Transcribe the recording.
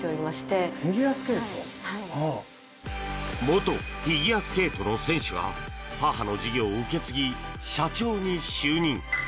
元フィギュアスケートの選手が母の事業を受け継ぎ社長に就任。